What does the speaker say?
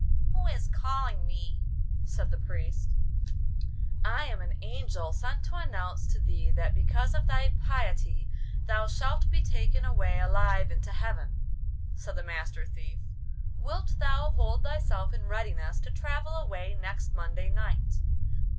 'Who is calling me?' said the Priest. 'I am an angel sent to announce to thee that because of thy piety thou shalt be taken away alive into heaven,' said the Master Thief. 'Wilt thou hold thyself in readiness to travel away next Monday night?